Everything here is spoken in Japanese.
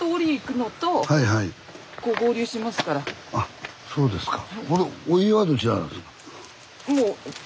あっそうですか。